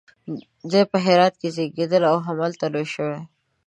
دی په هرات کې زیږېدلی او همالته لوی شوی.